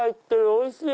おいしい。